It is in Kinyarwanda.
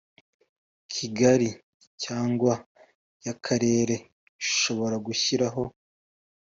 Kigali cyangwa y akarere ishobora gushyiraho